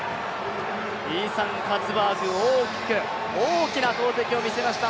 イーサン・カツバーグ、大きな投てきを見せました。